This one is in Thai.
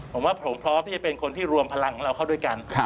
ผมว่าผมพร้อมที่จะเป็นคนที่รวมพลังของเราเข้าด้วยกัน